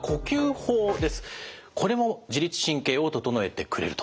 これも自律神経を整えてくれると。